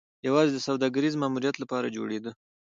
یوازې د سوداګریز ماموریت لپاره جوړېده.